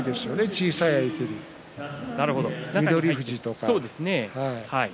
小さい相手に、翠富士とか。